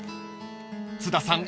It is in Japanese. ［津田さん